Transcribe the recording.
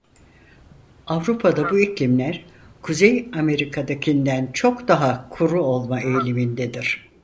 Avrupa'da bu iklimler Kuzey Amerika'dakinden çok daha kuru olma eğilimindedir.